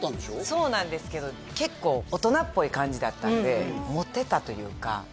そうなんですけど結構大人っぽい感じだったんで共学だった？